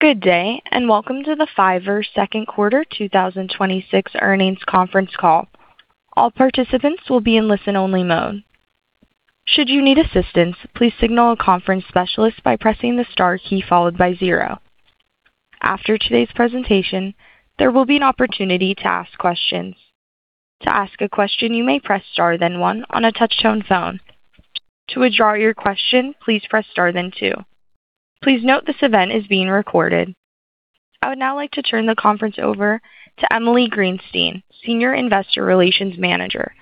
Good day, welcome to the Fiverr second quarter 2026 earnings conference call. All participants will be in listen-only mode. Should you need assistance, please signal a conference specialist by pressing the star key followed by zero. After today's presentation, there will be an opportunity to ask questions. To ask a question, you may press star then one on a touch-tone phone. To withdraw your question, please press star then two. Please note this event is being recorded. I would now like to turn the conference over to Emily Greenstein, Senior Investor Relations Manager.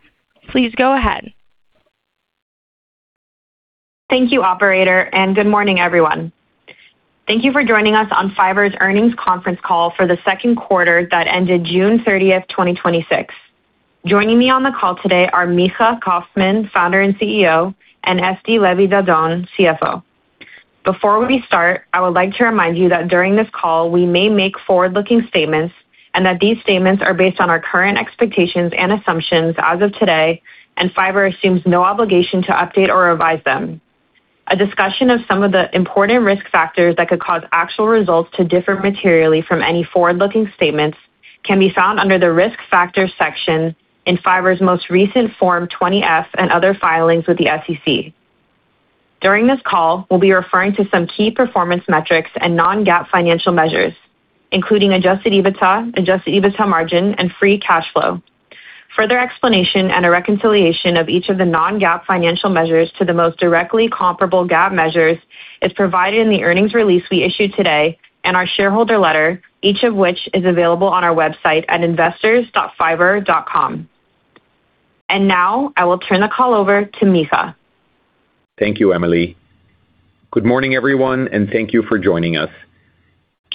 Please go ahead. Thank you, operator, good morning, everyone. Thank you for joining us on Fiverr's earnings conference call for the second quarter that ended June 30th, 2026. Joining me on the call today are Micha Kaufman, Founder and CEO, and Esti Levy Dadon, CFO. Before we start, I would like to remind you that during this call, we may make forward-looking statements and that these statements are based on our current expectations and assumptions as of today, Fiverr assumes no obligation to update or revise them. A discussion of some of the important risk factors that could cause actual results to differ materially from any forward-looking statements can be found under the Risk Factors section in Fiverr's most recent Form 20-F and other filings with the SEC. During this call, we'll be referring to some key performance metrics and non-GAAP financial measures, including Adjusted EBITDA, Adjusted EBITDA margin, and free cash flow. Further explanation and a reconciliation of each of the non-GAAP financial measures to the most directly comparable GAAP measures is provided in the earnings release we issued today and our shareholder letter, each of which is available on our website at investors.fiverr.com. Now I will turn the call over to Micha. Thank you, Emily. Good morning, everyone, thank you for joining us.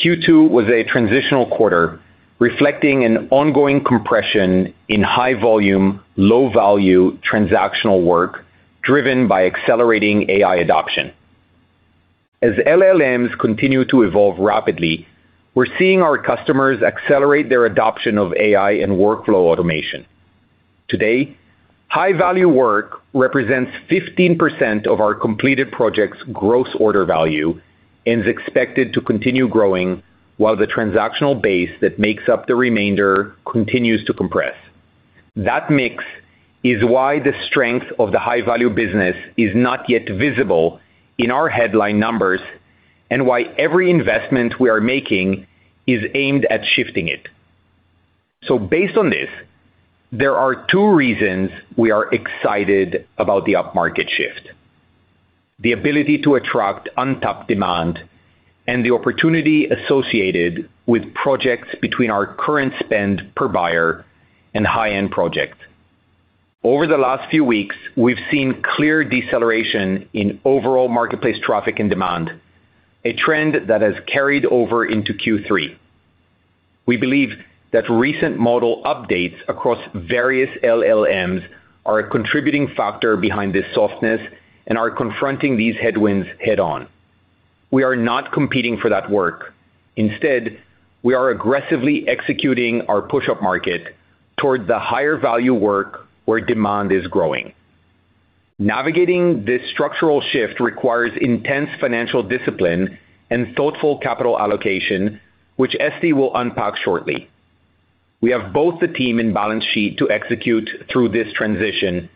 Q2 was a transitional quarter, reflecting an ongoing compression in high volume, low value transactional work driven by accelerating AI adoption. As LLMs continue to evolve rapidly, we're seeing our customers accelerate their adoption of AI and workflow automation. Today, high-value work represents 15% of our completed projects' gross order value and is expected to continue growing while the transactional base that makes up the remainder continues to compress. That mix is why the strength of the high-value business is not yet visible in our headline numbers and why every investment we are making is aimed at shifting it. Based on this, there are two reasons we are excited about the up-market shift: the ability to attract untapped demand and the opportunity associated with projects between our current spend per buyer and high-end projects. Over the last few weeks, we've seen clear deceleration in overall marketplace traffic and demand, a trend that has carried over into Q3. We believe that recent model updates across various LLMs are a contributing factor behind this softness and are confronting these headwinds head-on. We are not competing for that work. Instead, we are aggressively executing our push-up market toward the higher value work where demand is growing. Navigating this structural shift requires intense financial discipline and thoughtful capital allocation, which Esti will unpack shortly. We have both the team and balance sheet to execute through this transition,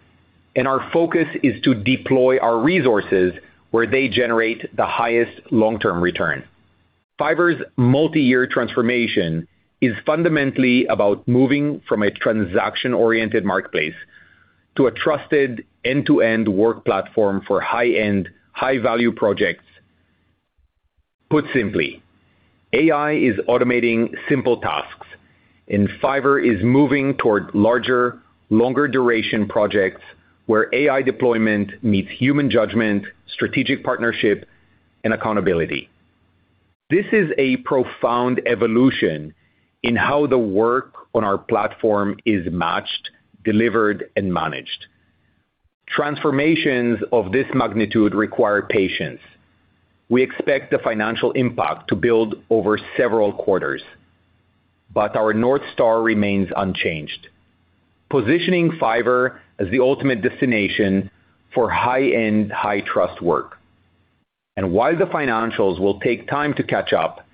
and our focus is to deploy our resources where they generate the highest long-term return. Fiverr's multi-year transformation is fundamentally about moving from a transaction-oriented marketplace to a trusted end-to-end work platform for high-end, high-value projects. Put simply, AI is automating simple tasks. Fiverr is moving toward larger, longer duration projects where AI deployment meets human judgment, strategic partnership, and accountability. This is a profound evolution in how the work on our platform is matched, delivered, and managed. Transformations of this magnitude require patience. We expect the financial impact to build over several quarters. Our North Star remains unchanged, positioning Fiverr as the ultimate destination for high-end, high-trust work. While the financials will take time to catch up,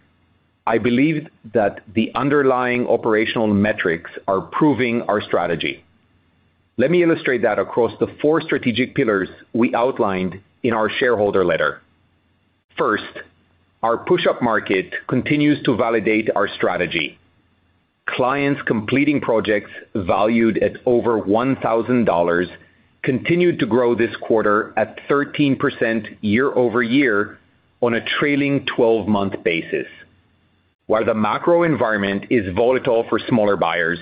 I believe that the underlying operational metrics are proving our strategy. Let me illustrate that across the four strategic pillars we outlined in our shareholder letter. First, our push-up market continues to validate our strategy. Clients completing projects valued at over $1,000 continued to grow this quarter at 13% year-over-year on a trailing 12-month basis. While the macro environment is volatile for smaller buyers,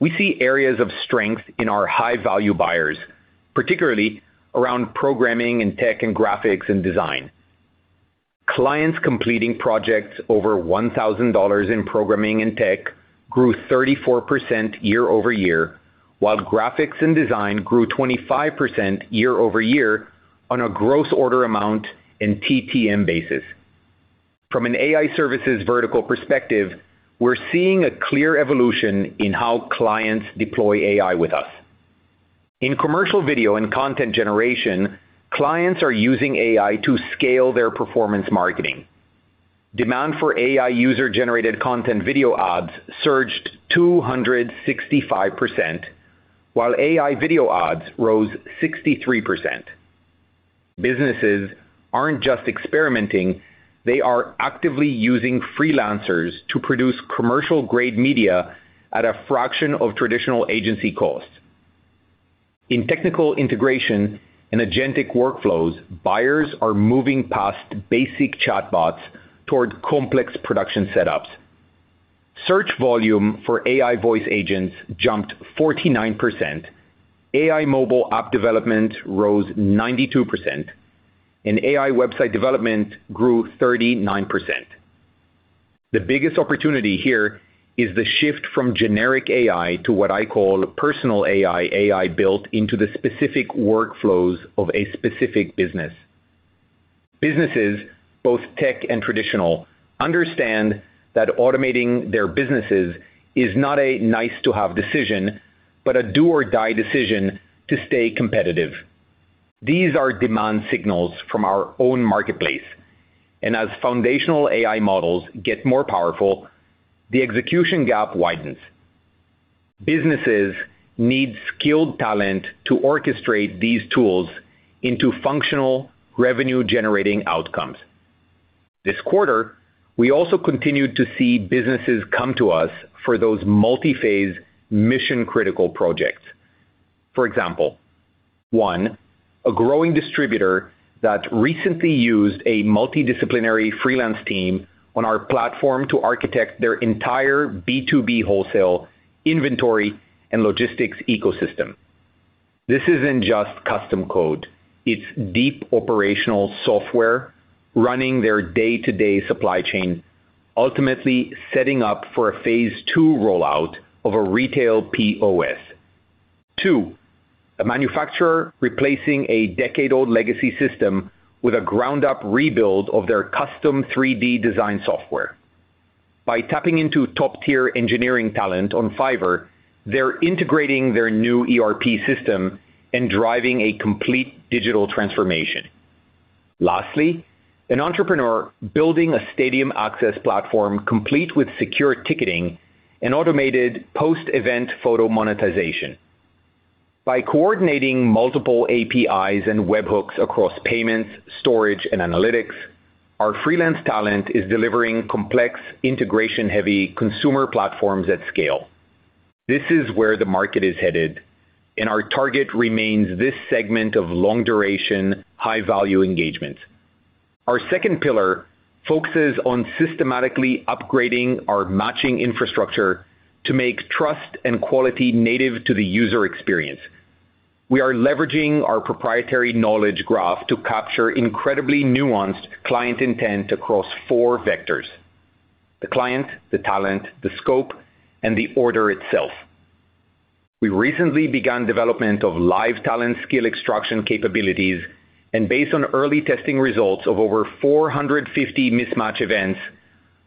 we see areas of strength in our high-value buyers, particularly around programming and tech and graphics and design. Clients completing projects over $1,000 in programming and tech grew 34% year-over-year, while graphics and design grew 25% year-over-year on a gross order amount and TTM basis. From an AI services vertical perspective, we're seeing a clear evolution in how clients deploy AI with us. In commercial video and content generation, clients are using AI to scale their performance marketing. Demand for AI user-generated content video ads surged 265%, while AI video ads rose 63%. Businesses aren't just experimenting, they are actively using freelancers to produce commercial-grade media at a fraction of traditional agency costs. In technical integration and agentic workflows, buyers are moving past basic chatbots toward complex production setups. Search volume for AI voice agents jumped 49%, AI mobile app development rose 92%. AI website development grew 39%. The biggest opportunity here is the shift from generic AI to what I call personal AI built into the specific workflows of a specific business. Businesses, both tech and traditional, understand that automating their businesses is not a nice-to-have decision, but a do or die decision to stay competitive. These are demand signals from our own marketplace. As foundational AI models get more powerful, the execution gap widens. Businesses need skilled talent to orchestrate these tools into functional revenue-generating outcomes. This quarter, we also continued to see businesses come to us for those multi-phase mission-critical projects. For example, 1, a growing distributor that recently used a multidisciplinary freelance team on our platform to architect their entire B2B wholesale inventory and logistics ecosystem. This isn't just custom code, it's deep operational software running their day-to-day supply chain, ultimately setting up for a phase 2 rollout of a retail POS. A manufacturer replacing a decade-old legacy system with a ground-up rebuild of their custom 3D design software. By tapping into top-tier engineering talent on Fiverr, they're integrating their new ERP system and driving a complete digital transformation. Lastly, an entrepreneur building a stadium access platform complete with secure ticketing and automated post-event photo monetization. By coordinating multiple APIs and webhooks across payments, storage, and analytics, our freelance talent is delivering complex integration-heavy consumer platforms at scale. This is where the market is headed, and our target remains this segment of long-duration, high-value engagement. Our second pillar focuses on systematically upgrading our matching infrastructure to make trust and quality native to the user experience. We are leveraging our proprietary Knowledge Graph to capture incredibly nuanced client intent across four vectors: the client, the talent, the scope, and the order itself. We recently began development of live talent skill extraction capabilities, and based on early testing results of over 450 mismatch events,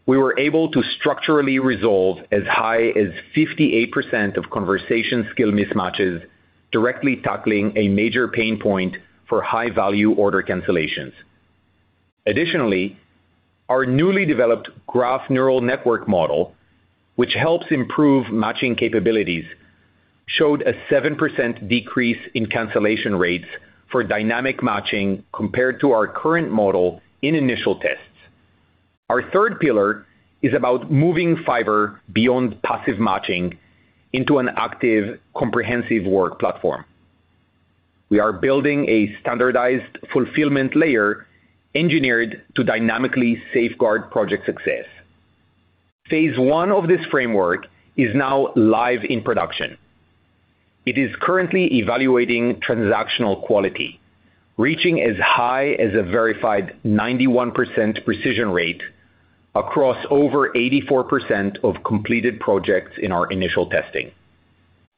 we were able to structurally resolve as high as 58% of conversation skill mismatches, directly tackling a major pain point for high-value order cancellations. Additionally, our newly developed graph neural network model, which helps improve matching capabilities, showed a 7% decrease in cancellation rates for dynamic matching compared to our current model in initial tests. Our third pillar is about moving Fiverr beyond passive matching into an active, comprehensive work platform. We are building a standardized fulfillment layer engineered to dynamically safeguard project success. Phase 1 of this framework is now live in production. It is currently evaluating transactional quality, reaching as high as a verified 91% precision rate across over 84% of completed projects in our initial testing.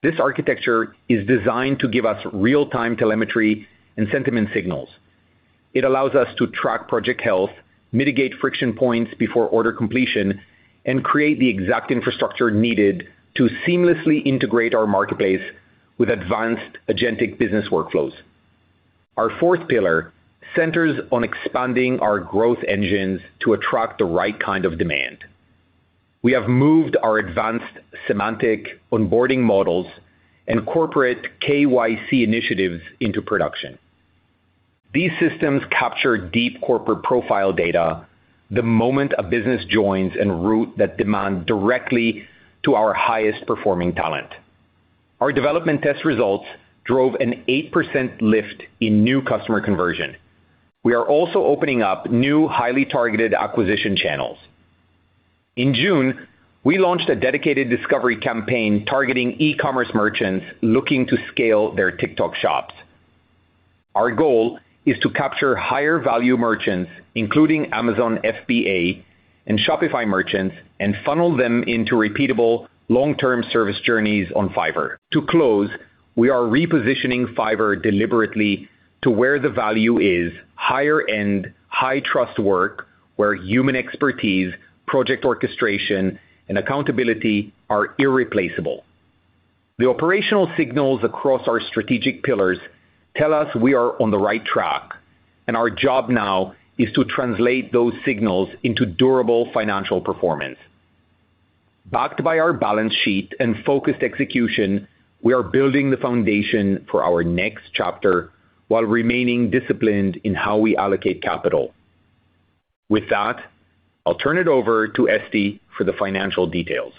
This architecture is designed to give us real-time telemetry and sentiment signals. It allows us to track project health, mitigate friction points before order completion, and create the exact infrastructure needed to seamlessly integrate our marketplace with advanced agentic business workflows. Our fourth pillar centers on expanding our growth engines to attract the right kind of demand. We have moved our advanced semantic onboarding models and corporate KYC initiatives into production. These systems capture deep corporate profile data the moment a business joins en route that demand directly to our highest-performing talent. Our development test results drove an 8% lift in new customer conversion. We are also opening up new, highly targeted acquisition channels. In June, we launched a dedicated discovery campaign targeting e-commerce merchants looking to scale their TikTok shops. Our goal is to capture higher-value merchants, including Amazon FBA and Shopify merchants, and funnel them into repeatable long-term service journeys on Fiverr. To close, we are repositioning Fiverr deliberately to where the value is higher end, high-trust work where human expertise, project orchestration, and accountability are irreplaceable. The operational signals across our strategic pillars tell us we are on the right track, and our job now is to translate those signals into durable financial performance. Backed by our balance sheet and focused execution, we are building the foundation for our next chapter while remaining disciplined in how we allocate capital. With that, I'll turn it over to Esti for the financial details.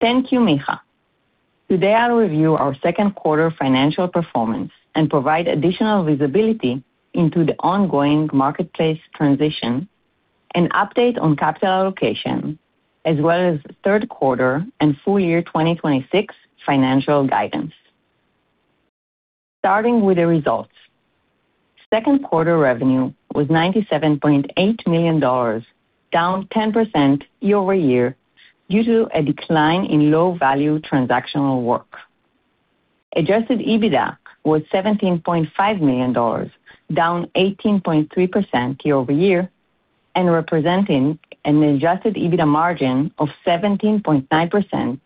Thank you, Micha. Today I'll review our second quarter financial performance and provide additional visibility into the ongoing marketplace transition, an update on capital allocation, as well as third quarter and full year 2026 financial guidance. Starting with the results. Second quarter revenue was $97.8 million, down 10% year-over-year due to a decline in low-value transactional work. Adjusted EBITDA was $17.5 million, down 18.3% year-over-year and representing an Adjusted EBITDA margin of 17.9%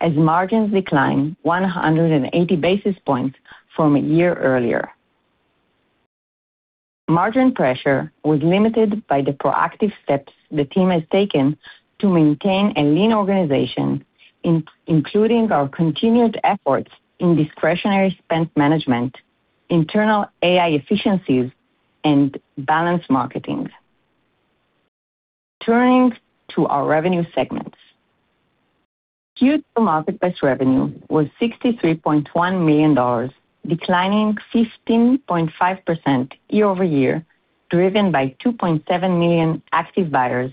as margins declined 180 basis points from a year earlier. Margin pressure was limited by the proactive steps the team has taken to maintain a lean organization, including our continued efforts in discretionary spend management, internal AI efficiencies, and balanced marketing. Turning to our revenue segments. Q2 marketplace revenue was $63.1 million, declining 15.5% year-over-year, driven by 2.7 million active buyers,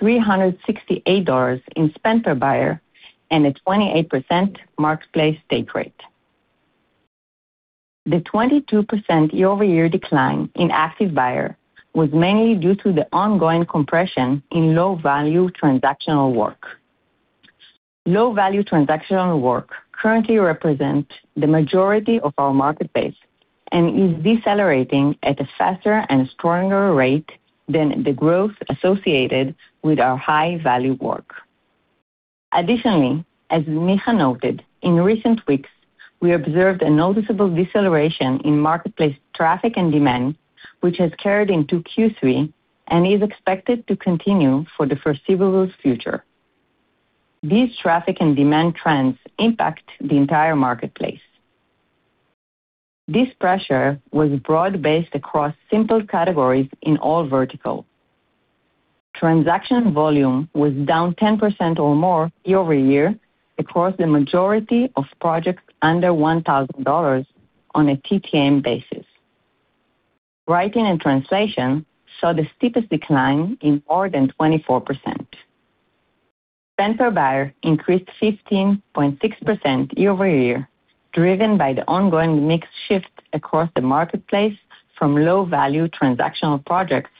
$368 in spend per buyer, and a 28% marketplace take rate. The 22% year-over-year decline in active buyer was mainly due to the ongoing compression in low-value transactional work. Low-value transactional work currently represents the majority of our marketplace and is decelerating at a faster and stronger rate than the growth associated with our high-value work. Additionally, as Micha noted, in recent weeks, we observed a noticeable deceleration in marketplace traffic and demand, which has carried into Q3 and is expected to continue for the foreseeable future. These traffic and demand trends impact the entire marketplace. This pressure was broad-based across simple categories in all verticals. Transaction volume was down 10% or more year-over-year across the majority of projects under $1,000 on a TTM basis. Writing and translation saw the steepest decline in more than 24%. Spend per buyer increased 15.6% year-over-year, driven by the ongoing mix shift across the marketplace from low-value transactional projects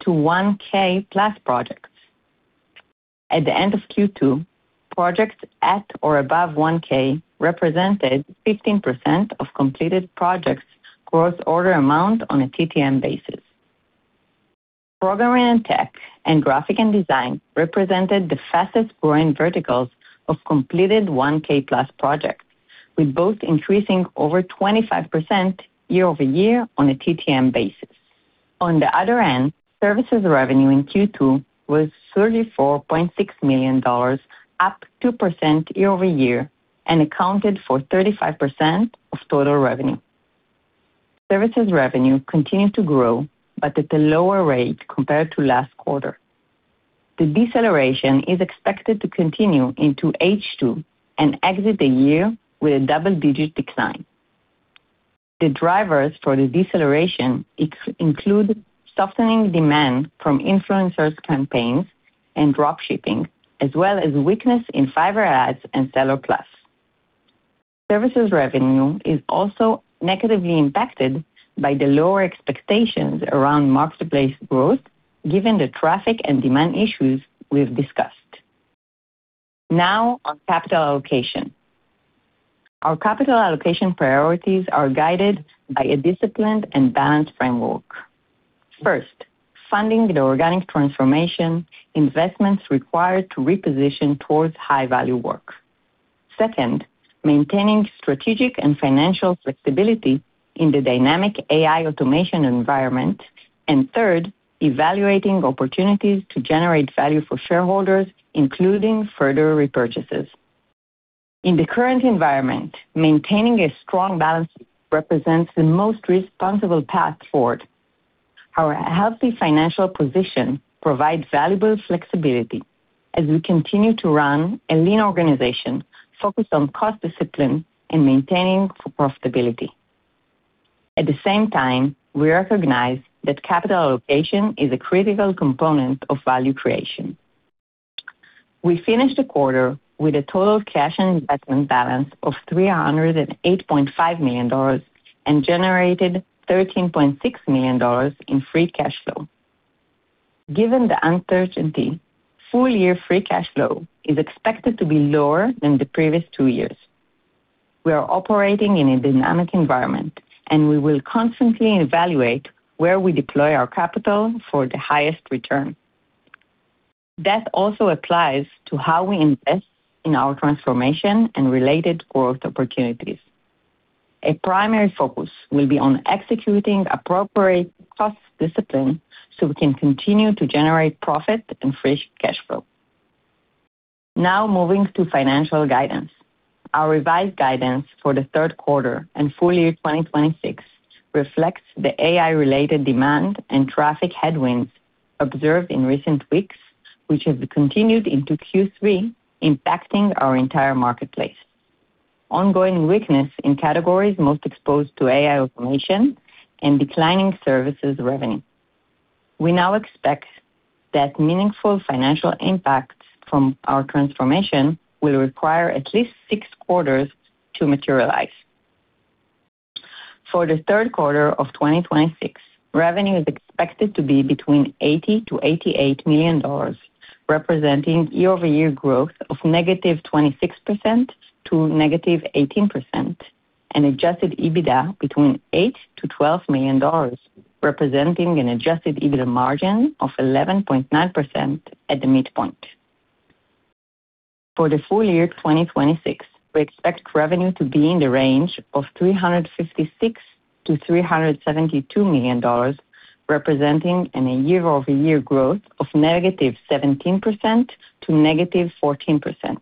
to 1K plus projects. At the end of Q2, projects at or above 1K represented 15% of completed projects' gross order amount on a TTM basis. Programming and tech and graphic and design represented the fastest-growing verticals of completed 1K plus projects, with both increasing over 25% year-over-year on a TTM basis. On the other end, services revenue in Q2 was $34.6 million, up 2% year-over-year, and accounted for 35% of total revenue. Services revenue continued to grow, but at a lower rate compared to last quarter. The deceleration is expected to continue into H2 and exit the year with a double-digit decline. The drivers for the deceleration include softening demand from influencers campaigns and drop shipping, as well as weakness in Fiverr Ads and Seller Plus. Services revenue is also negatively impacted by the lower expectations around marketplace growth given the traffic and demand issues we've discussed. Now on capital allocation. Our capital allocation priorities are guided by a disciplined and balanced framework. First, funding the organic transformation investments required to reposition towards high-value work. Second, maintaining strategic and financial flexibility in the dynamic AI automation environment. Third, evaluating opportunities to generate value for shareholders, including further repurchases. In the current environment, maintaining a strong balance represents the most responsible path forward. Our healthy financial position provides valuable flexibility as we continue to run a lean organization focused on cost discipline and maintaining profitability. At the same time, we recognize that capital allocation is a critical component of value creation. We finished the quarter with a total cash and investment balance of $308.5 million and generated $13.6 million in free cash flow. Given the uncertainty, full year free cash flow is expected to be lower than the previous two years. We are operating in a dynamic environment, we will constantly evaluate where we deploy our capital for the highest return. That also applies to how we invest in our transformation and related growth opportunities. A primary focus will be on executing appropriate cost discipline so we can continue to generate profit and free cash flow. Moving to financial guidance. Our revised guidance for the third quarter and full year 2026 reflects the AI-related demand and traffic headwinds observed in recent weeks, which have continued into Q3, impacting our entire marketplace, ongoing weakness in categories most exposed to AI automation, and declining services revenue. We now expect that meaningful financial impacts from our transformation will require at least six quarters to materialize. For the third quarter of 2026, revenue is expected to be between $80 million-$88 million, representing year-over-year growth of -26% to -18%, and Adjusted EBITDA between $8 million-$12 million, representing an Adjusted EBITDA margin of 11.9% at the midpoint. For the full year 2026, we expect revenue to be in the range of $356 million-$372 million, representing an year-over-year growth of -17% to -14%,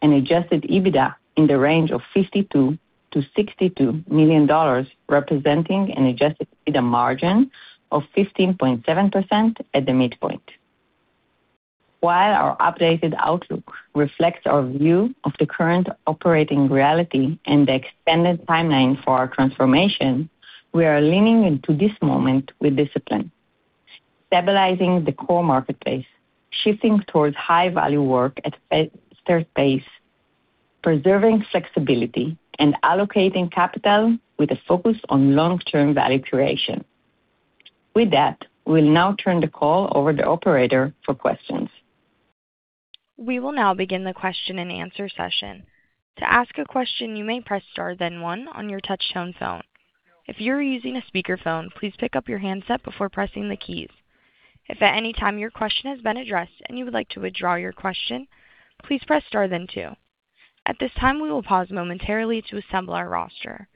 and Adjusted EBITDA in the range of $52 million-$62 million, representing an Adjusted EBITDA margin of 15.7% at the midpoint. While our updated outlook reflects our view of the current operating reality and the extended timeline for our transformation, we are leaning into this moment with discipline, stabilizing the core marketplace, shifting towards high-value work at a fair pace, preserving flexibility, and allocating capital with a focus on long-term value creation. With that, we will now turn the call over to operator for questions. We will now begin the question and answer session. To ask a question, you may press star then one on your touch tone phone. If you are using a speakerphone, please pick up your handset before pressing the keys. If at any time your question has been addressed and you would like to withdraw your question, please press star then two. At this time, we will pause momentarily to assemble our roster.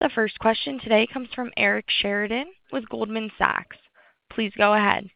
The first question today comes from Eric Sheridan with Goldman Sachs. Please go ahead.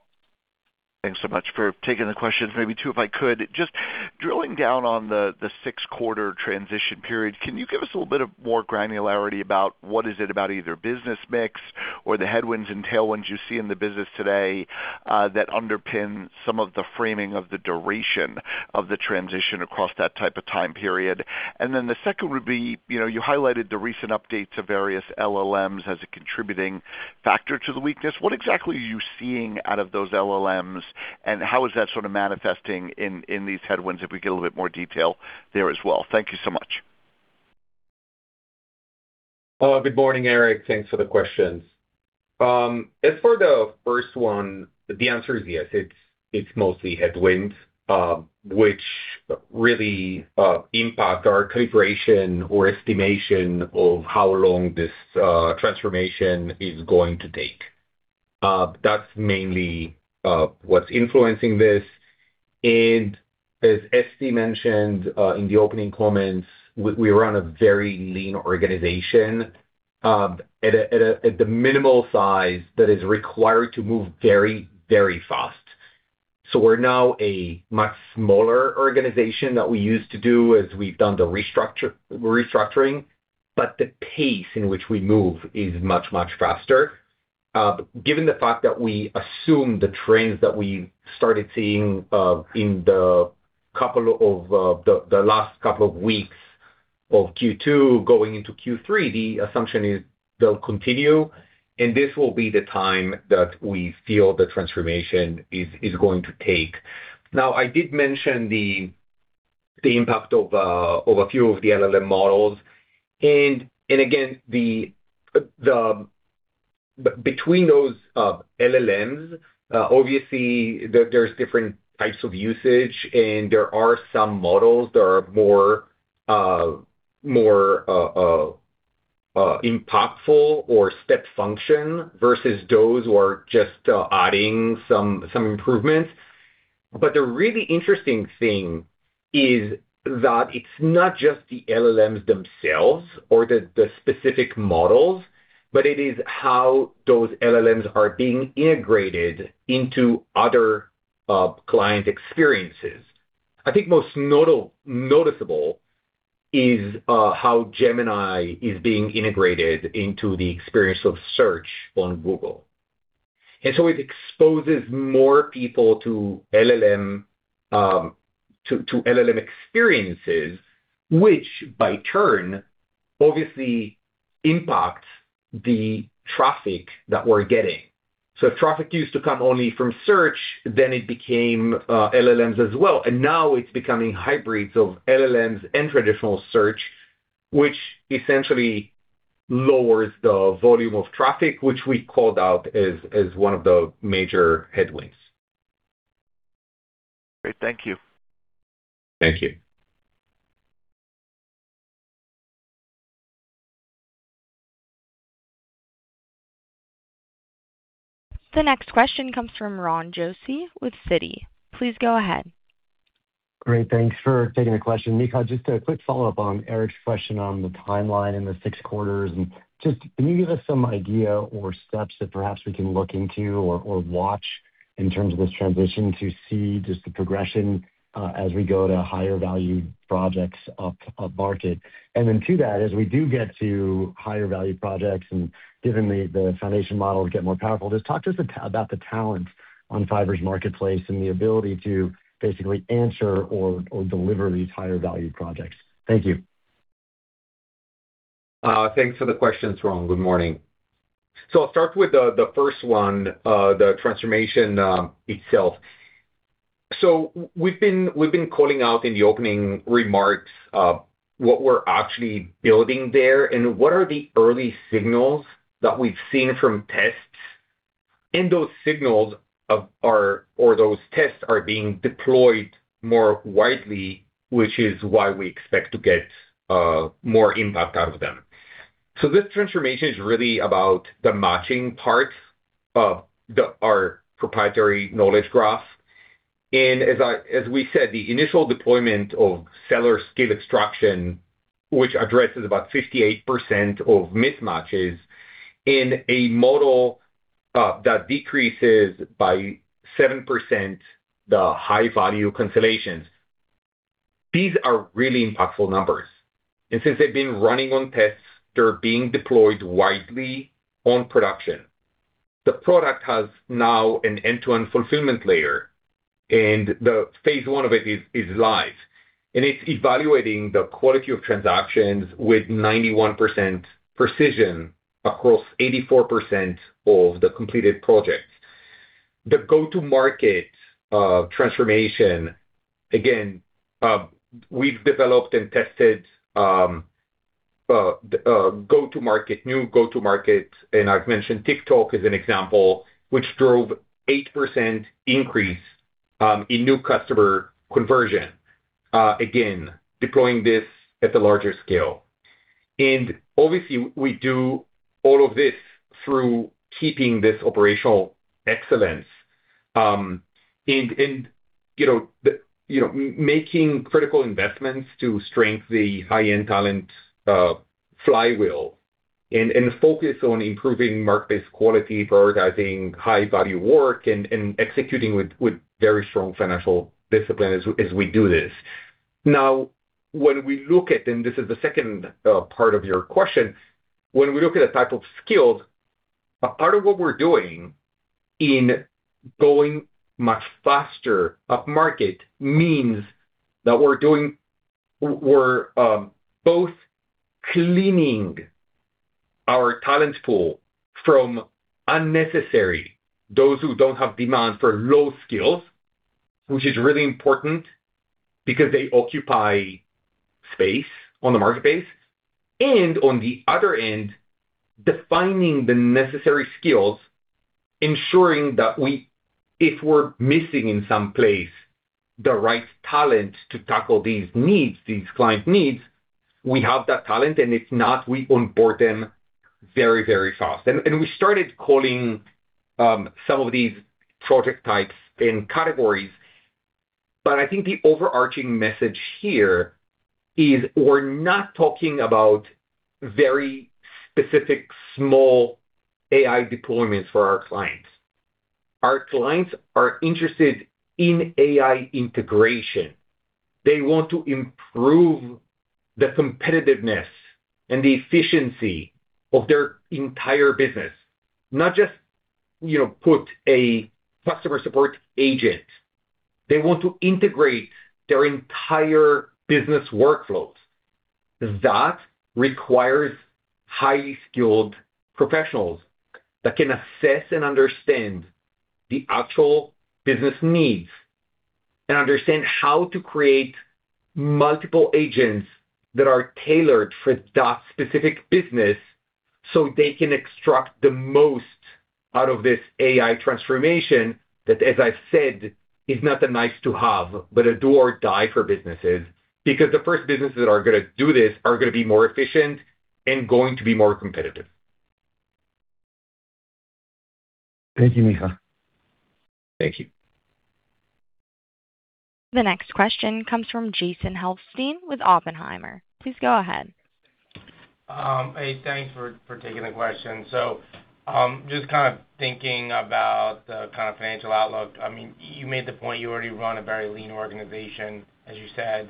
Thanks so much for taking the questions. Maybe two, if I could. Just drilling down on the six-quarter transition period, can you give us a little bit of more granularity about what is it about either business mix or the headwinds and tailwinds you see in the business today that underpin some of the framing of the duration of the transition across that type of time period? The second would be, you highlighted the recent updates of various LLMs as a contributing factor to the weakness. What exactly are you seeing out of those LLMs, and how is that sort of manifesting in these headwinds, if we could get a little bit more detail there as well. Thank you so much. Hello. Good morning, Eric. Thanks for the questions. As for the first one, the answer is yes, it's mostly headwinds, which really impact our calibration or estimation of how long this transformation is going to take. That's mainly what's influencing this. As Esti mentioned in the opening comments, we run a very lean organization at the minimal size that is required to move very fast. We're now a much smaller organization than we used to be as we've done the restructuring, but the pace in which we move is much faster. Given the fact that we assume the trends that we started seeing in the last couple of weeks of Q2 going into Q3, the assumption is they'll continue, and this will be the time that we feel the transformation is going to take. I did mention the impact of a few of the LLM models. Again, between those LLMs, obviously, there's different types of usage, and there are some models that are more impactful or step function versus those who are just adding some improvements. The really interesting thing is that it's not just the LLMs themselves or the specific models, but it is how those LLMs are being integrated into other client experiences. I think most noticeable is how Gemini is being integrated into the experience of search on Google. It exposes more people to LLM experiences, which by turn, obviously impact the traffic that we're getting. Traffic used to come only from search, then it became LLMs as well, and now it's becoming hybrids of LLMs and traditional search, which essentially lowers the volume of traffic, which we called out as one of the major headwinds. Great. Thank you. Thank you. The next question comes from Ron Josey with Citi. Please go ahead. Great. Thanks for taking the question. Micha, just a quick follow-up on Eric's question on the timeline and the 6 quarters. Just can you give us some idea or steps that perhaps we can look into or watch in terms of this transition to see just the progression as we go to higher value projects up market? Then to that, as we do get to higher value projects and given the foundation models get more powerful, just talk to us about the talent on Fiverr's marketplace and the ability to basically answer or deliver these higher value projects. Thank you. Thanks for the questions, Ron. Good morning. I'll start with the first one, the transformation itself. We've been calling out in the opening remarks what we're actually building there and what are the early signals that we've seen from tests. Those signals or those tests are being deployed more widely, which is why we expect to get more impact out of them. This transformation is really about the matching parts of our proprietary Knowledge Graph. As we said, the initial deployment of seller skill extraction, which addresses about 58% of mismatches in a model that decreases by 7% the high-value cancellations. These are really impactful numbers. Since they've been running on tests, they're being deployed widely on production. The product has now an end-to-end fulfillment layer. The phase 1 of it is live. It's evaluating the quality of transactions with 91% precision across 84% of the completed projects. The go-to-market transformation, again, we've developed and tested new go-to-market, I've mentioned TikTok as an example, which drove 8% increase in new customer conversion. Again, deploying this at a larger scale. Obviously, we do all of this through keeping this operational excellence. Making critical investments to strengthen the high-end talent flywheel and focus on improving marketplace quality, prioritizing high-value work, and executing with very strong financial discipline as we do this. Now, when we look at, this is the second part of your question, when we look at the type of skills, a part of what we're doing in going much faster up market means that we're both cleaning our talent pool from unnecessary, those who don't have demand for low skills, which is really important because they occupy space on the marketplace. On the other end, defining the necessary skills, ensuring that if we're missing in some place the right talent to tackle these needs, these client needs, we have that talent, and if not, we onboard them very fast. We started calling some of these project types in categories, but I think the overarching message here is we're not talking about very specific small AI deployments for our clients. Our clients are interested in AI integration. They want to improve the competitiveness and the efficiency of their entire business, not just put a customer support agent. They want to integrate their entire business workflows. That requires highly skilled professionals that can assess and understand the actual business needs and understand how to create multiple agents that are tailored for that specific business, so they can extract the most out of this AI transformation that, as I've said, is not a nice to have, but a do or die for businesses. The first businesses that are going to do this are going to be more efficient and going to be more competitive. Thank you, Micha. Thank you. The next question comes from Jason Helfstein with Oppenheimer. Please go ahead. Hey, thanks for taking the question. Just thinking about the financial outlook. You made the point you already run a very lean organization, as you said.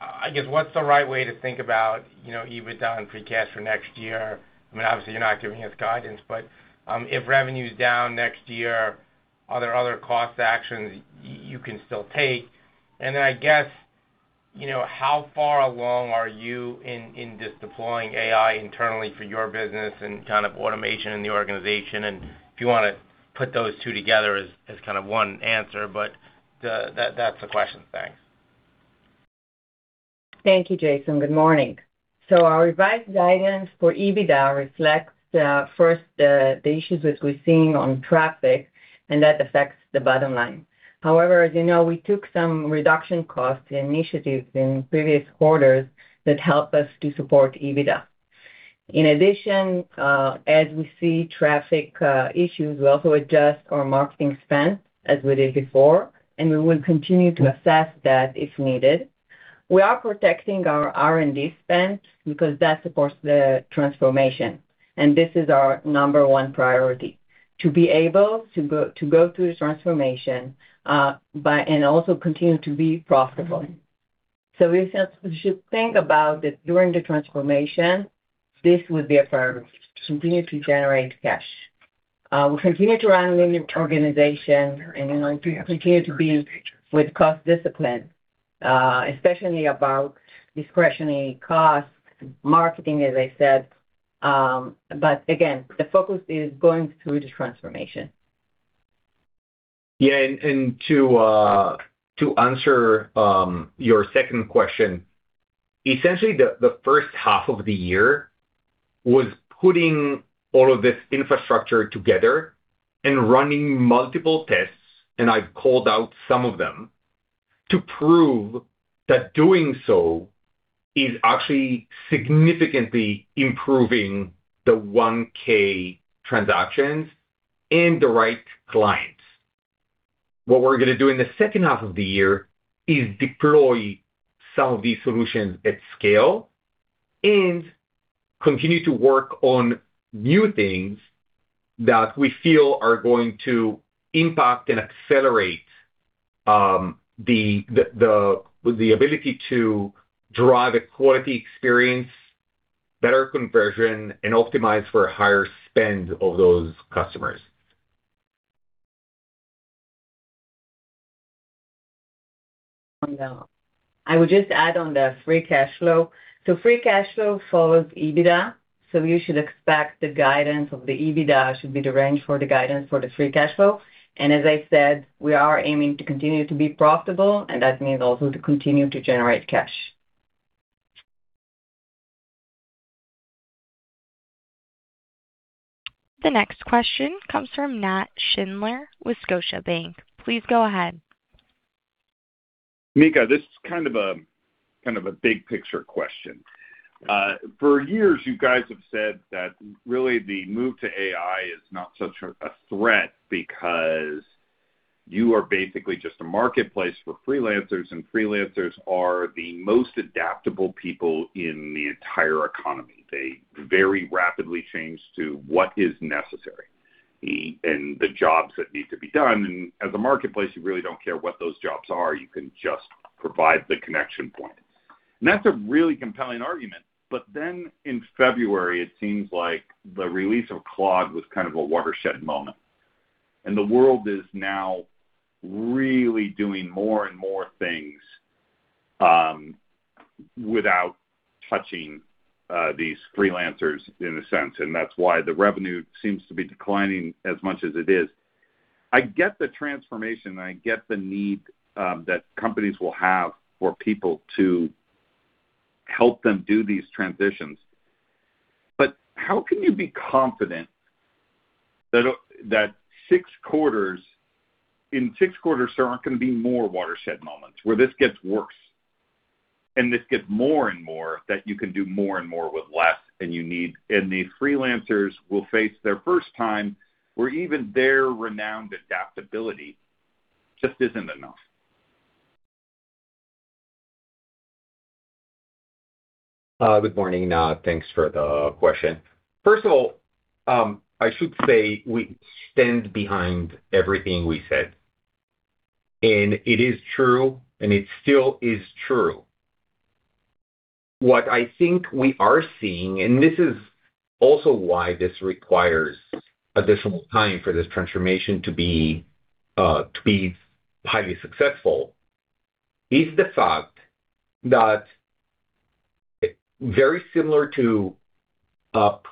I guess what's the right way to think about EBITDA and free cash for next year? Obviously, you're not giving us guidance, but if revenue's down next year, are there other cost actions you can still take? And then I guess, how far along are you in just deploying AI internally for your business and automation in the organization? And if you want to put those two together as one answer, but that's the question. Thanks. Thank you, Jason. Good morning. Our revised guidance for EBITDA reflects first the issues which we're seeing on traffic, and that affects the bottom line. However, as you know, we took some reduction cost initiatives in previous quarters that help us to support EBITDA. In addition, as we see traffic issues, we also adjust our marketing spend as we did before, and we will continue to assess that if needed. We are protecting our R&D spend because that supports the transformation, and this is our number one priority, to be able to go through the transformation, and also continue to be profitable. If you think about it during the transformation, this would be a firm to continue to generate cash. We continue to run an organization and we continue to be with cost discipline, especially about discretionary costs, marketing, as I said. Again, the focus is going through the transformation. Yeah. To answer your second question, essentially, the first half of the year was putting all of this infrastructure together and running multiple tests, and I've called out some of them, to prove that doing so is actually significantly improving the 1K transactions and the right clients. What we're going to do in the second half of the year is deploy some of these solutions at scale and continue to work on new things that we feel are going to impact and accelerate the ability to drive a quality experience, better conversion, and optimize for a higher spend of those customers. I would just add on the free cash flow. Free cash flow follows EBITDA, you should expect the guidance of the EBITDA should be the range for the guidance for the free cash flow. As I said, we are aiming to continue to be profitable, and that means also to continue to generate cash. The next question comes from Nat Schindler with Scotiabank. Please go ahead. Micha, this is kind of a big-picture question. For years, you guys have said that really the move to AI is not such a threat because you are basically just a marketplace for freelancers, and freelancers are the most adaptable people in the entire economy. They very rapidly change to what is necessary and the jobs that need to be done. As a marketplace, you really don't care what those jobs are. You can just provide the connection points. That's a really compelling argument. In February, it seems like the release of Claude was kind of a watershed moment, and the world is now really doing more and more things without touching these freelancers, in a sense. That's why the revenue seems to be declining as much as it is. I get the transformation. I get the need that companies will have for people to help them do these transitions. How can you be confident that in six quarters there aren't going to be more watershed moments where this gets worse and this gets more and more that you can do more and more with less than you need, and the freelancers will face their first time where even their renowned adaptability just isn't enough? Good morning, Nat. Thanks for the question. First of all, I should say we stand behind everything we said, and it is true, it still is true. What I think we are seeing, this is also why this requires additional time for this transformation to be highly successful, is the fact that very similar to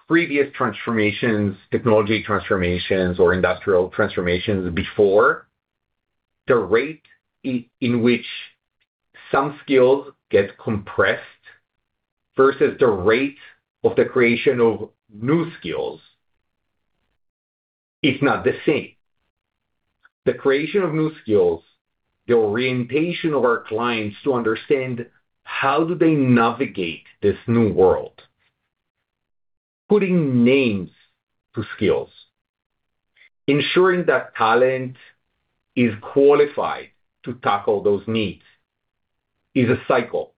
previous transformations, technology transformations, or industrial transformations before, the rate in which some skills get compressed versus the rate of the creation of new skills is not the same. The creation of new skills, the orientation of our clients to understand how do they navigate this new world, putting names to skills, ensuring that talent is qualified to tackle those needs is a cycle,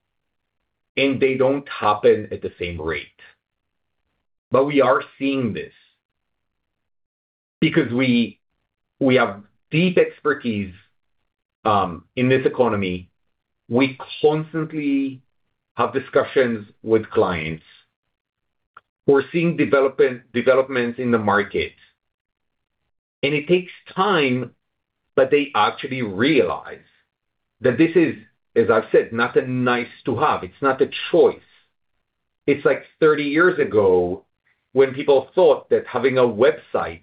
and they don't happen at the same rate. We are seeing this because we have deep expertise in this economy. We constantly have discussions with clients. We're seeing developments in the market, it takes time, but they actually realize that this is, as I've said, not a nice-to-have. It's not a choice. It's like 30 years ago when people thought that having a website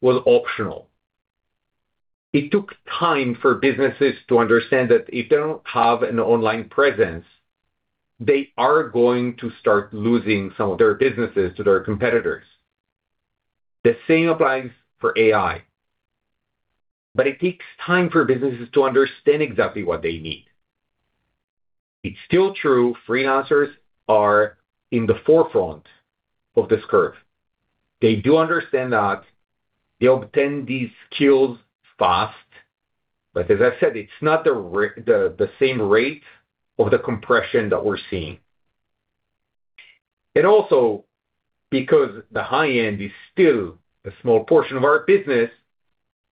was optional. It took time for businesses to understand that if they don't have an online presence, they are going to start losing some of their businesses to their competitors. The same applies for AI. It takes time for businesses to understand exactly what they need. It's still true, freelancers are in the forefront of this curve. They do understand that they obtain these skills fast, but as I've said, it's not the same rate of the compression that we're seeing. Because the high-end is still a small portion of our business,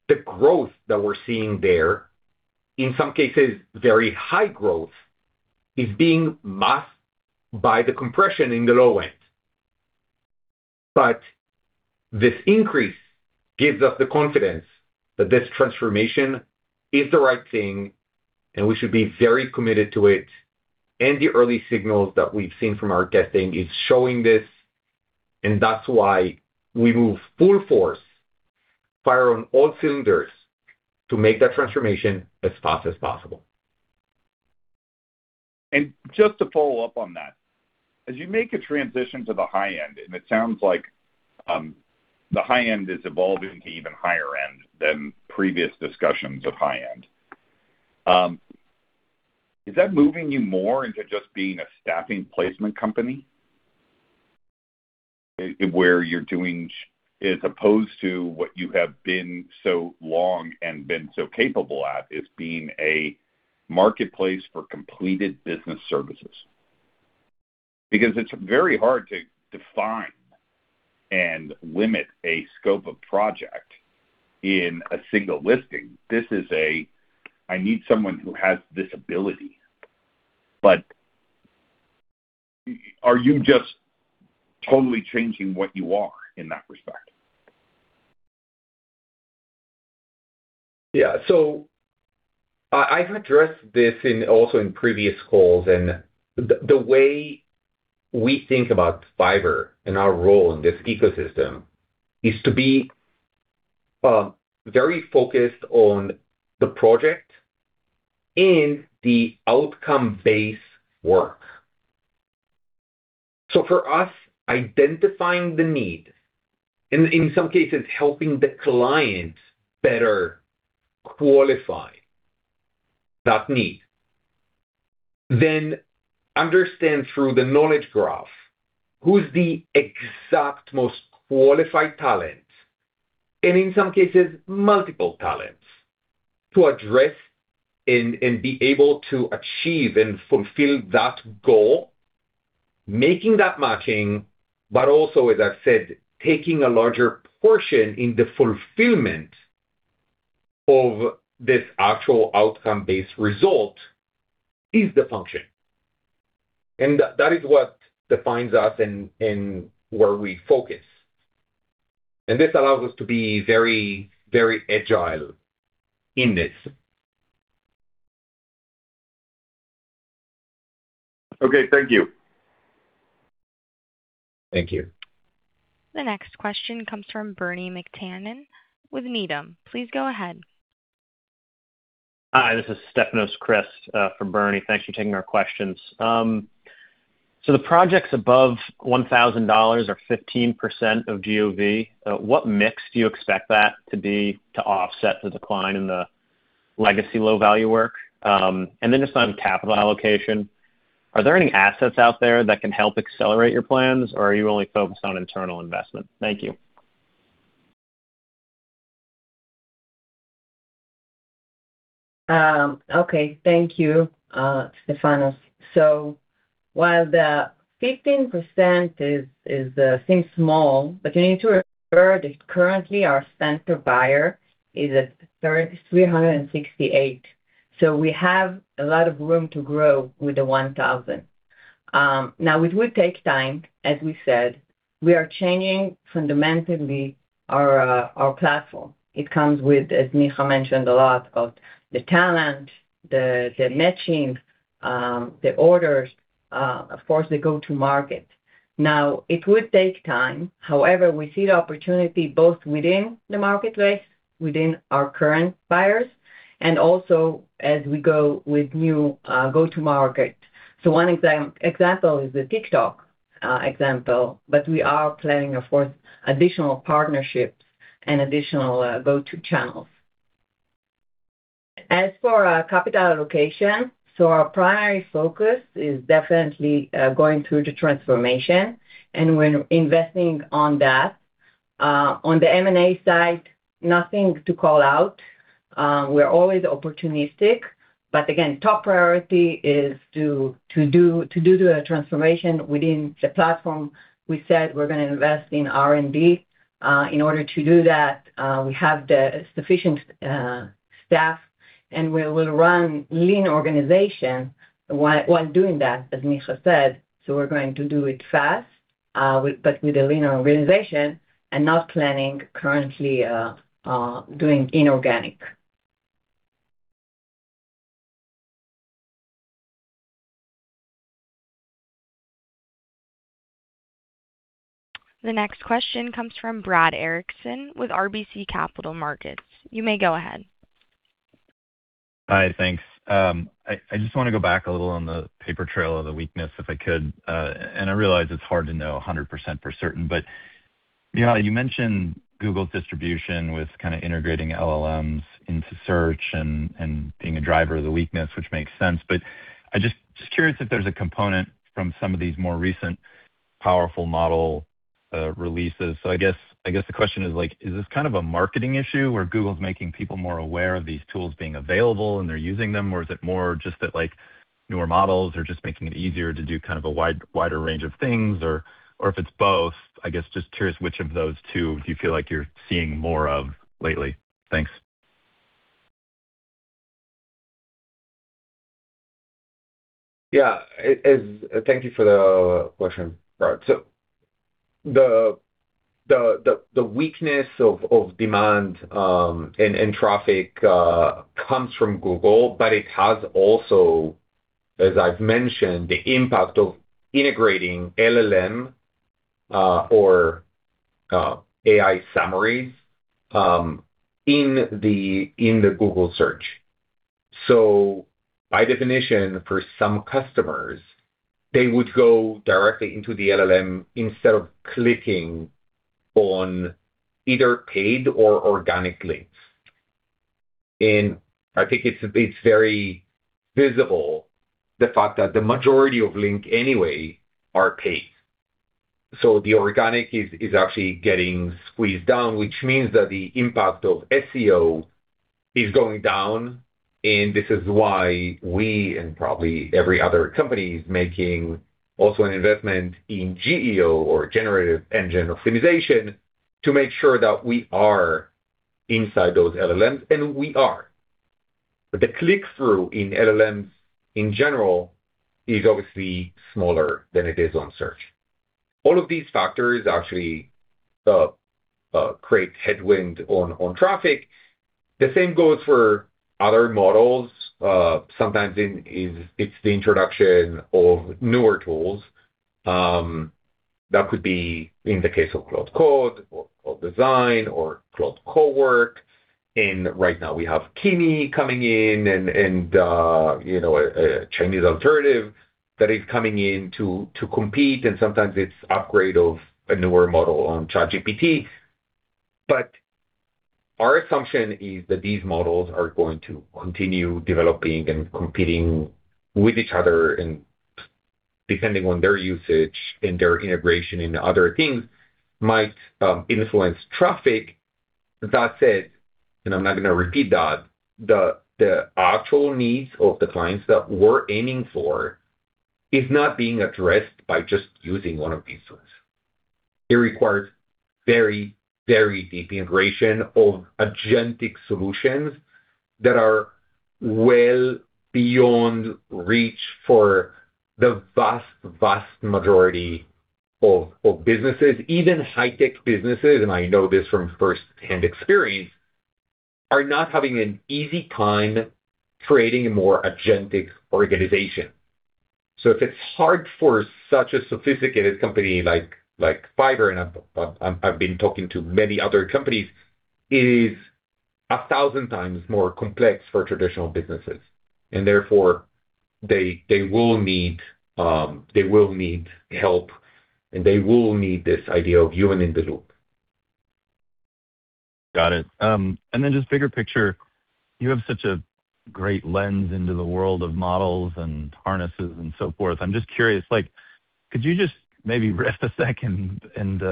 the growth that we're seeing there, in some cases very high growth, is being masked by the compression in the low-end. This increase gives us the confidence that this transformation is the right thing, and we should be very committed to it. The early signals that we've seen from our testing is showing this, and that's why we move full force, fire on all cylinders, to make that transformation as fast as possible. Just to follow up on that, as you make a transition to the high-end, and it sounds like the high-end is evolving to even higher end than previous discussions of high-end. Is that moving you more into just being a staffing placement company? Where you're doing, as opposed to what you have been so long and been so capable at, is being a marketplace for completed business services. It's very hard to define and limit a scope of project in a single listing. This is a, "I need someone who has this ability." Are you just totally changing what you are in that respect? Yeah. I've addressed this also in previous calls, and the way we think about Fiverr and our role in this ecosystem is to be very focused on the project and the outcome-based work. For us, identifying the need, in some cases, helping the client better qualify that need, then understand through the Knowledge Graph who's the exact most qualified talent, and in some cases, multiple talents, to address and be able to achieve and fulfill that goal. Making that matching, but also, as I've said, taking a larger portion in the fulfillment of this actual outcome-based result is the function, and that is what defines us and where we focus. This allows us to be very agile in this. Okay. Thank you. Thank you. The next question comes from Bernie McTernan with Needham. Please go ahead. Hi, this is Stefanos Crist for Bernie. Thanks for taking our questions. The projects above $1,000 are 15% of GOV. What mix do you expect that to be to offset the decline in the legacy low-value work? Just on capital allocation, are there any assets out there that can help accelerate your plans, or are you only focused on internal investment? Thank you. Thank you, Stefanos. While the 15% seems small, but you need to refer that currently our center buyer is at $368. We have a lot of room to grow with the $1,000. It will take time, as we said. We are changing fundamentally our platform. It comes with, as Micha mentioned, a lot of the talent, the matching, the orders, of course, the go-to market. It would take time. However, we see the opportunity both within the marketplace, within our current buyers, and also as we go with new go-to market. One example is the TikTok example, but we are planning, of course, additional partnerships and additional go-to channels. As for our capital allocation, our primary focus is definitely going through the transformation, and we're investing on that. On the M&A side, nothing to call out. We're always opportunistic, again, top priority is to do the transformation within the platform. We said we're going to invest in R&D. In order to do that, we have the sufficient staff, and we will run lean organization while doing that, as Micha said. We're going to do it fast, but with a leaner organization and not planning currently doing inorganic. The next question comes from Brad Erickson with RBC Capital Markets. You may go ahead. Hi. Thanks. I just want to go back a little on the paper trail of the weakness, if I could. I realize it's hard to know 100% for certain, but you mentioned Google's distribution with kind of integrating LLMs into search and being a driver of the weakness, which makes sense. I'm just curious if there's a component from some of these more recent powerful model releases. I guess the question is this kind of a marketing issue where Google's making people more aware of these tools being available and they're using them? Or is it more just that newer models are just making it easier to do kind of a wider range of things? Or if it's both, I guess, just curious which of those two do you feel like you're seeing more of lately? Thanks. Thank you for the question, Brad. The weakness of demand and traffic comes from Google, but it has also, as I've mentioned, the impact of integrating LLM or AI summaries in the Google search. By definition, for some customers, they would go directly into the LLM instead of clicking on either paid or organic links. I think it's very visible, the fact that the majority of link anyway are paid. The organic is actually getting squeezed down, which means that the impact of SEO is going down. This is why we and probably every other company is making also an investment in GEO or generative engine optimization to make sure that we are inside those LLMs, and we are. The click-through in LLMs in general is obviously smaller than it is on search. All of these factors actually create headwind on traffic. The same goes for other models. Sometimes it's the introduction of newer tools that could be in the case of Claude Code or Claude Design or Claude Cowork. Right now we have Kimi coming in a Chinese alternative that is coming in to compete, sometimes it's upgrade of a newer model on ChatGPT. Our assumption is that these models are going to continue developing and competing with each other depending on their usage and their integration into other things might influence traffic. That said, I'm not going to repeat that, the actual needs of the clients that we're aiming for is not being addressed by just using one of these tools. It requires very deep integration of agentic solutions that are well beyond reach for the vast majority of businesses. Even high-tech businesses, I know this from firsthand experience, are not having an easy time creating a more agentic organization. If it's hard for such a sophisticated company like Fiverr, I've been talking to many other companies, it is 1,000 times more complex for traditional businesses. Therefore, they will need help, they will need this idea of human in the loop. Got it. Then just bigger picture, you have such a great lens into the world of models and harnesses and so forth. I'm just curious, could you just maybe rest a second and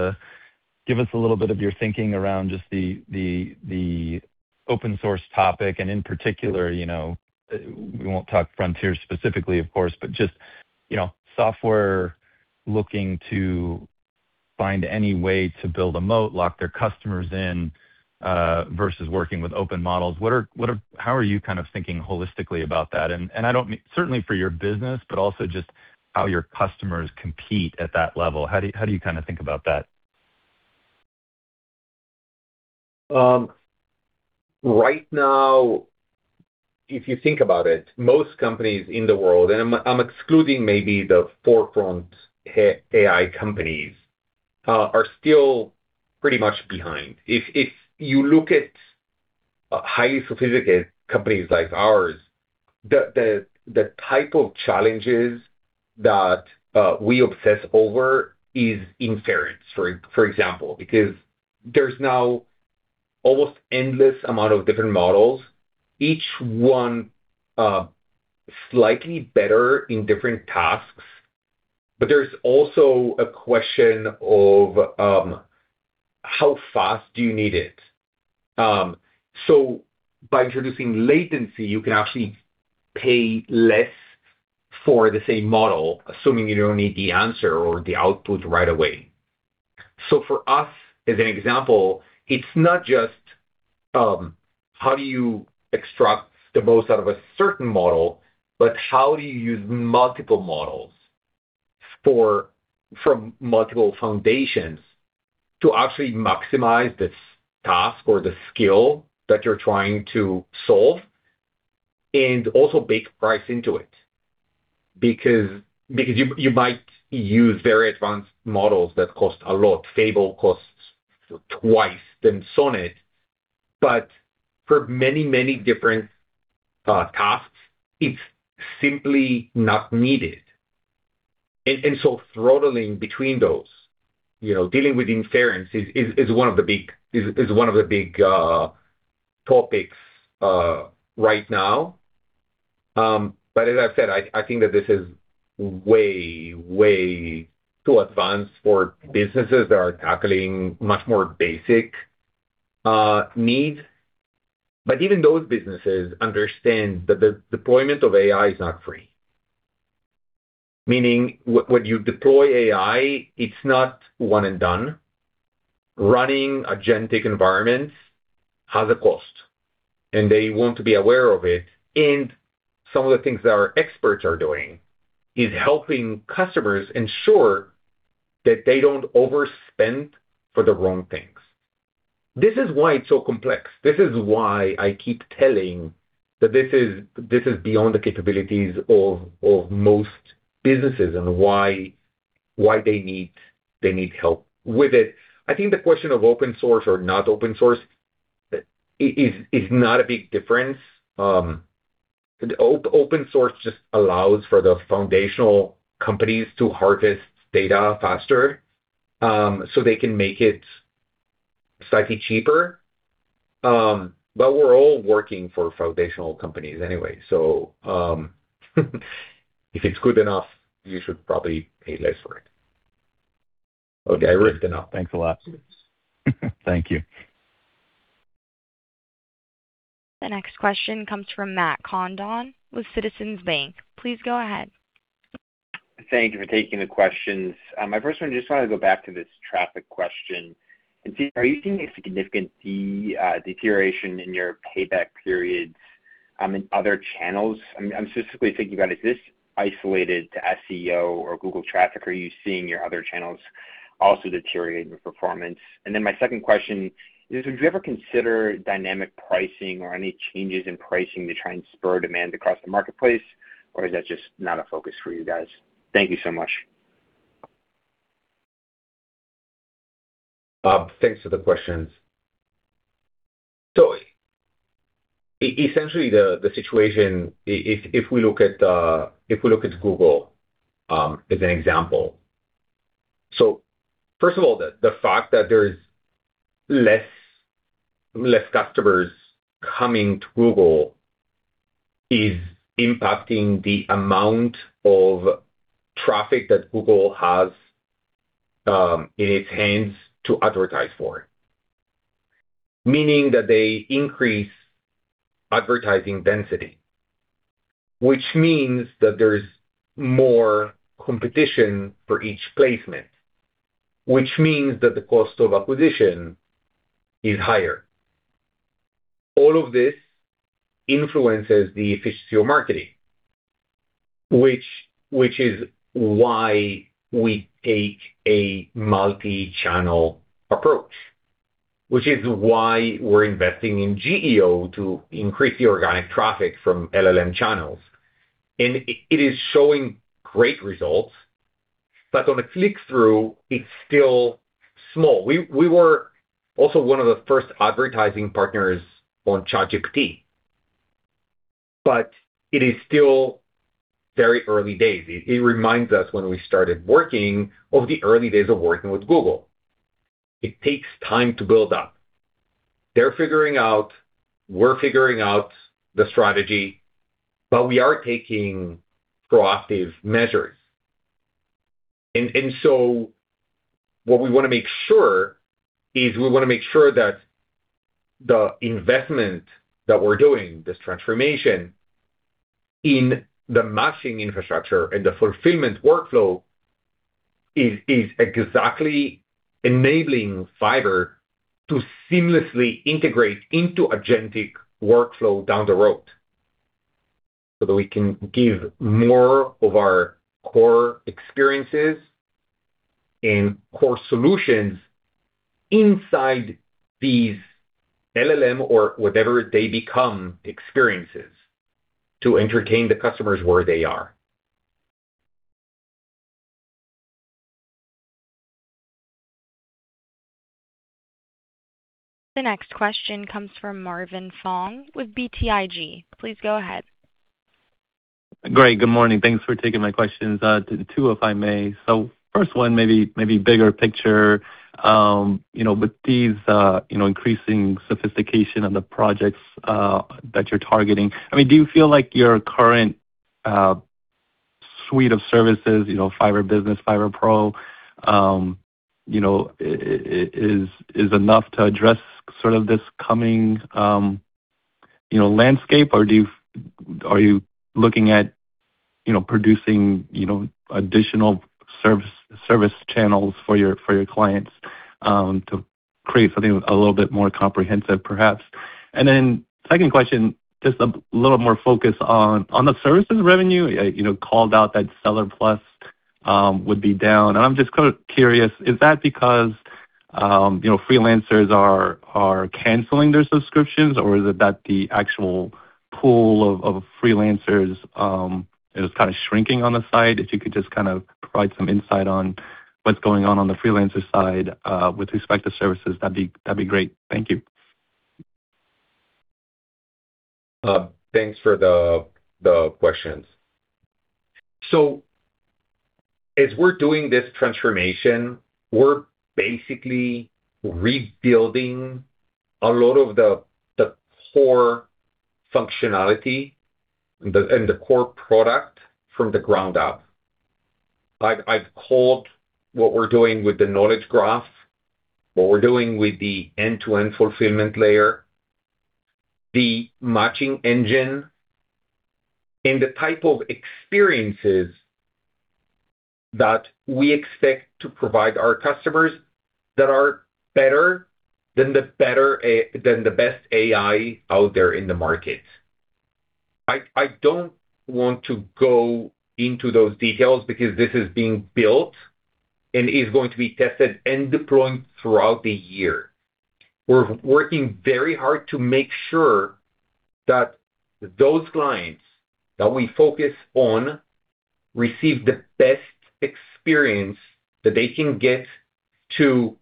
give us a little bit of your thinking around just the open source topic in particular, We won't talk Frontier specifically, of course, but just software looking to find any way to build a moat, lock their customers in, versus working with open models. How are you kind of thinking holistically about that? I don't mean certainly for your business, but also just how your customers compete at that level. How do you kind of think about that? Right now, if you think about it, most companies in the world, I'm excluding maybe the forefront AI companies, are still pretty much behind. If you look at highly sophisticated companies like ours, the type of challenges that we obsess over is inference, for example, because there's now almost endless amount of different models, each one slightly better in different tasks. There's also a question of how fast do you need it? By introducing latency, you can actually pay less for the same model, assuming you don't need the answer or the output right away. For us, as an example, it's not just how do you extract the most out of a certain model, how do you use multiple models from multiple foundations to actually maximize this task or the skill that you're trying to solve? Also bake price into it because you might use very advanced models that cost a lot. Fable costs twice than Sonnet, but for many different tasks, it's simply not needed. Throttling between those, dealing with inference is one of the big topics right now. As I've said, I think that this is way too advanced for businesses that are tackling much more basic needs. Even those businesses understand that the deployment of AI is not free. Meaning when you deploy AI, it's not one and done. Running agentic environments has a cost, and they want to be aware of it. Some of the things that our experts are doing is helping customers ensure that they don't overspend for the wrong things. This is why it's so complex. This is why I keep telling that this is beyond the capabilities of most businesses and why they need help with it. I think the question of open source or not open source is not a big difference. Open source just allows for the foundational companies to harvest data faster, so they can make it slightly cheaper. We're all working for foundational companies anyway. If it's good enough, you should probably pay less for it. Okay, I riffed enough. Thanks a lot. Thank you. The next question comes from Matt Condon with Citizens. Please go ahead. Thank you for taking the questions. My first one, just want to go back to this traffic question and see, are you seeing a significant deterioration in your payback periods in other channels? I'm specifically thinking about, is this isolated to SEO or Google traffic? Are you seeing your other channels also deteriorating performance? My second question is, would you ever consider dynamic pricing or any changes in pricing to try and spur demand across the marketplace, or is that just not a focus for you guys? Thank you so much. Thanks for the questions. Essentially the situation, if we look at Google as an example. First of all, the fact that there is less customers coming to Google is impacting the amount of traffic that Google has in its hands to advertise for. Meaning that they increase advertising density, which means that there's more competition for each placement, which means that the cost of acquisition is higher. All of this influences the efficiency of marketing, which is why we take a multi-channel approach. Which is why we're investing in SEO to increase the organic traffic from LLM channels. It is showing great results, but on a click-through, it's still small. We were also one of the first advertising partners on ChatGPT, but it is still very early days. It reminds us when we started working of the early days of working with Google. It takes time to build up. They're figuring out, we're figuring out the strategy, but we are taking proactive measures. What we want to make sure is we want to make sure that the investment that we're doing, this transformation in the matching infrastructure and the fulfillment workflow is exactly enabling Fiverr to seamlessly integrate into agentic workflow down the road so that we can give more of our core experiences and core solutions inside these LLM or whatever they become experiences to entertain the customers where they are. The next question comes from Marvin Fong with BTIG. Please go ahead. Great. Good morning. Thanks for taking my questions. Two, if I may. First one maybe bigger picture. With these increasing sophistication of the projects that you're targeting. Do you feel like your current suite of services, Fiverr Business, Fiverr Pro is enough to address sort of this coming landscape? Or are you looking at producing additional service channels for your clients to create something a little bit more comprehensive perhaps? Second question, just a little more focus on the services revenue, called out that Seller Plus would be down. I'm just kind of curious, is that because freelancers are canceling their subscriptions, or is it that the actual pool of freelancers is kind of shrinking on the side? If you could just kind of provide some insight on what's going on the freelancer side with respect to services, that'd be great. Thank you. Thanks for the questions. As we're doing this transformation, we're basically rebuilding a lot of the core functionality and the core product from the ground up. I've called what we're doing with the Knowledge Graph, what we're doing with the end-to-end fulfillment layer, the matching engine, and the type of experiences that we expect to provide our customers that are better than the best AI out there in the market. I don't want to go into those details because this is being built and is going to be tested and deployed throughout the year. We're working very hard to make sure that those clients that we focus on receive the best experience that they can get to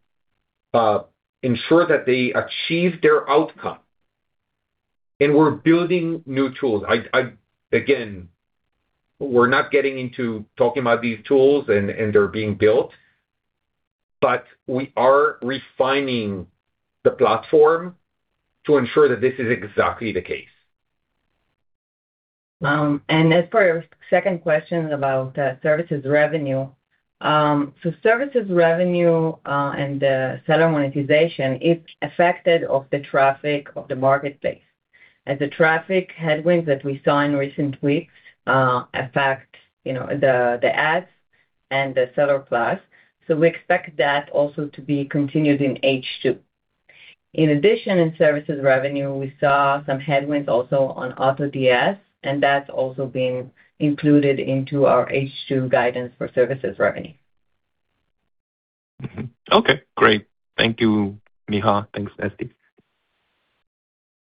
ensure that they achieve their outcome. We're building new tools. Again, we're not getting into talking about these tools, and they're being built, but we are refining the platform to ensure that this is exactly the case. As for your second question about services revenue. Services revenue and seller monetization, it's affected by the traffic of the marketplace. As the traffic headwinds that we saw in recent weeks affect the Fiverr Ads and the Seller Plus. We expect that also to be continued in H2. In addition, in services revenue, we saw some headwinds also on AutoDS, and that's also being included into our H2 guidance for services revenue. Okay, great. Thank you, Micha. Thanks, Esti.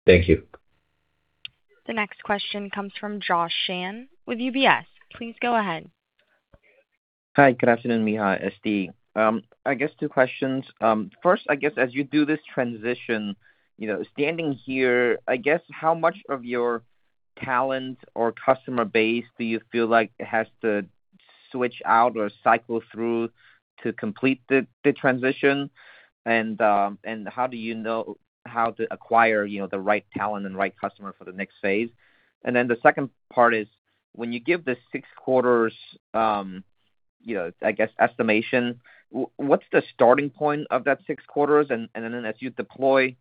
Thank you. The next question comes from Josh Chan with UBS. Please go ahead. Hi. Good afternoon, Micha, Esti. I guess two questions. First, I guess as you do this transition, standing here, I guess how much of your talent or customer base do you feel like has to switch out or cycle through to complete the transition? How do you know how to acquire the right talent and right customer for the next phase? The second part is, when you give the six quarters, I guess, estimation, what's the starting point of that six quarters? As you deploy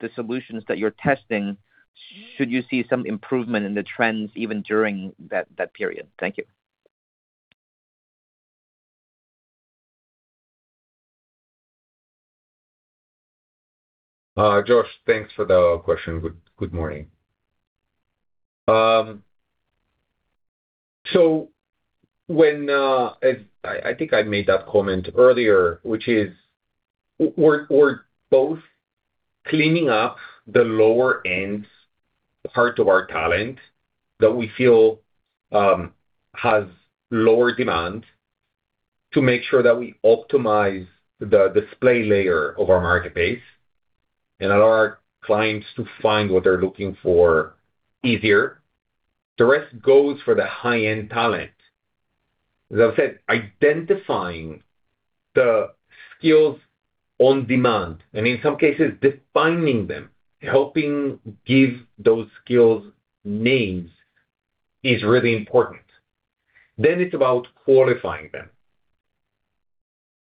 the solutions that you're testing, should you see some improvement in the trends even during that period? Thank you. Josh, thanks for the question. Good morning. I think I made that comment earlier, which is, we're both cleaning up the lower-end part of our talent that we feel has lower demand to make sure that we optimize the display layer of our marketplace and allow our clients to find what they're looking for easier. The rest goes for the high-end talent. As I've said, identifying the skills on demand, and in some cases, defining them, helping give those skills names, is really important. It's about qualifying them.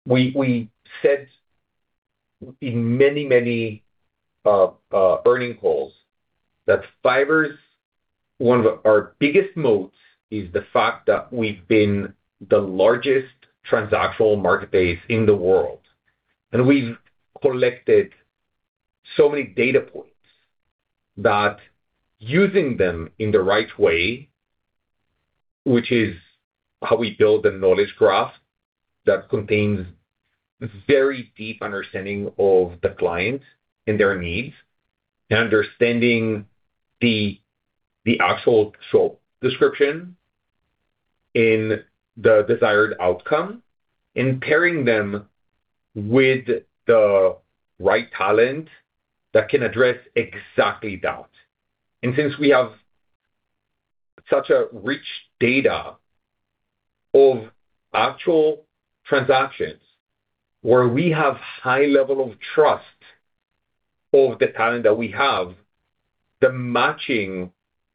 We said in many earning calls that Fiverr's, one of our biggest moats is the fact that we've been the largest transactional marketplace in the world, and we've collected so many data points that using them in the right way, which is how we build the Knowledge Graph that contains very deep understanding of the client and their needs, and understanding the actual short description and the desired outcome, and pairing them with the right talent that can address exactly that. Since we have such a rich data of actual transactions where we have high level of trust of the talent that we have, the matching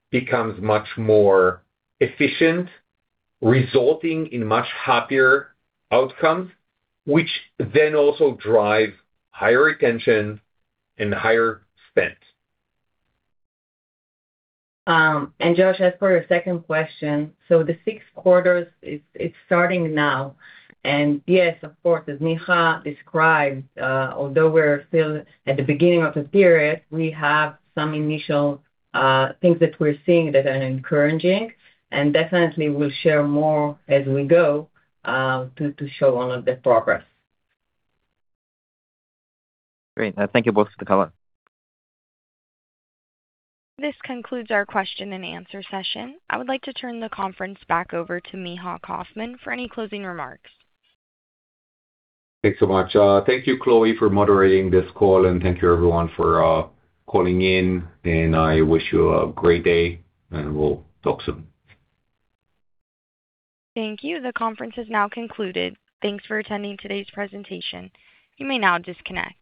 becomes much more efficient, resulting in much happier outcomes, which then also drive higher retention and higher spend. Josh, as for your second question, the six quarters, it's starting now. Yes, of course, as Micha described, although we're still at the beginning of the period, we have some initial things that we're seeing that are encouraging. Definitely, we'll share more as we go to show all of the progress. Great. Thank you both for the color. This concludes our question and answer session. I would like to turn the conference back over to Micha Kaufman for any closing remarks. Thanks so much. Thank you, Chloe, for moderating this call, and thank you everyone for calling in, and I wish you a great day, and we'll talk soon. Thank you. The conference is now concluded. Thanks for attending today's presentation. You may now disconnect.